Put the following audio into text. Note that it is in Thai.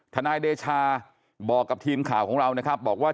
นายเดชาบอกกับทีมข่าวของเรานะครับบอกว่า